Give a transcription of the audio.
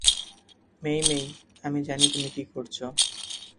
মেই-মেই, আমি জানি তুমি কি করছো।